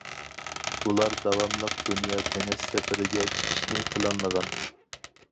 ئۇلار داۋاملىق دۇنيا دېڭىز سەپىرىگە چىقىشنى پىلانلىغان.